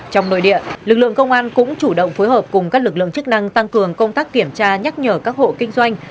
trong nội địa lực lượng công an cũng chủ động phối hợp cùng các lực lượng chức năng tăng cường công tác kiểm tra nhắc nhở các hộ kinh doanh